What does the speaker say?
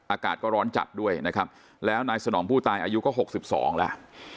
อากาศก็ร้อนจัดด้วยนะครับแล้วนายสนองผู้ตายอายุก็๖๒แล้ว